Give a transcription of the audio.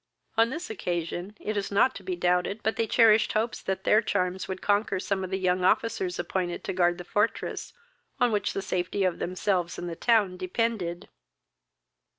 On this occasion, it is not to be doubted but they cherished hopes that their charms would conquer some of the young officers appointed to guard the fortress, on which the safety of themselves and the town depended.